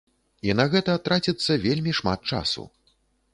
І на гэта траціцца вельмі шмат часу.